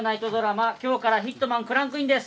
『今日からヒットマン』クランクインです。